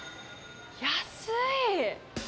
安い！